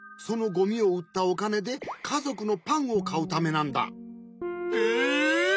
そのゴミをうったおかねでかぞくのパンをかうためなんだ。えっ！？